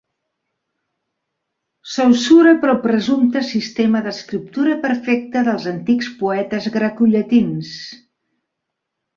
Saussure pel presumpte sistema d'escriptura perfecta dels antics poetes grecollatins.